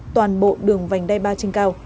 toàn bộ đường vành đai ba trinh cao